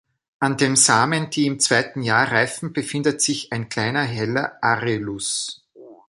An den Samen, die im zweiten Jahr reifen, befindet sich ein kleiner, heller Arillus.